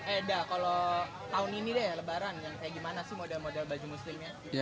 eda kalau tahun ini deh lebaran yang kayak gimana sih model model baju muslimnya